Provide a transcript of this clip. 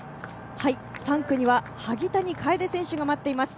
３区には萩谷楓選手が待っています。